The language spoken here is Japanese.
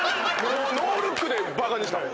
ノールックでバカにした！